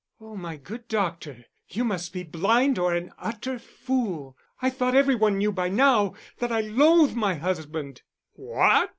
"Oh, my good doctor, you must be blind or an utter fool. I thought every one knew by now that I loathe my husband." "What?"